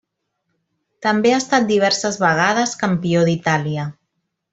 També ha estat diverses vegades Campió d'Itàlia.